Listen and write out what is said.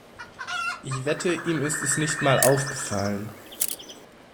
Ich wette, ihm ist es nicht mal aufgefallen.